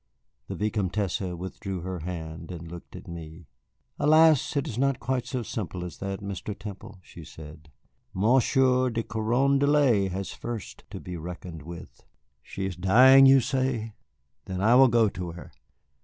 The Vicomtesse withdrew her hand and looked at me. "Alas, it is not quite so simple as that, Mr. Temple," she said; "Monsieur de Carondelet has first to be reckoned with." "She is dying, you say? then I will go to her.